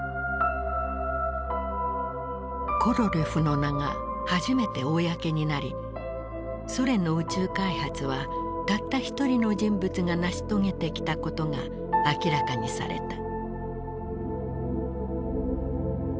コロリョフの名が初めて公になりソ連の宇宙開発はたった１人の人物が成し遂げてきたことが明らかにされた。